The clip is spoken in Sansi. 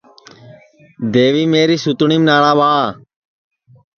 دیوی میری سوتٹؔیم ناڑا ٻاہ